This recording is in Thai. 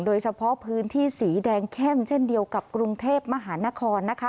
โดยเฉพาะพื้นที่สีแดงเข้มเช่นเดียวกับกรุงเทพมหานครนะคะ